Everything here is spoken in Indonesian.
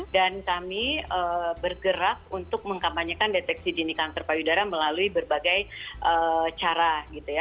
dan kami bergerak untuk mengkampanyekan deteksi dini kanker payudara melalui berbagai cara gitu ya